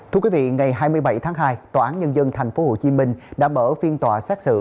thưa quý vị ngày hai mươi bảy tháng hai tòa án nhân dân tp hcm đã mở phiên tòa xét xử